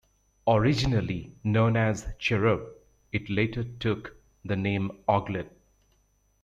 Originally known as "cherub", it later took the name "augelot".